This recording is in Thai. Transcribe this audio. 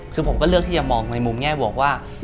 คือผมก็เลือกที่จะมองในมุมแง่บวกว่า